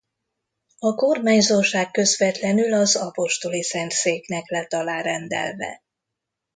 A kormányzóság közvetlenül az Apostoli Szentszéknek lett alárendelve.